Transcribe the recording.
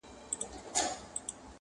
په دنیا کي چي هر څه کتابخانې دي.!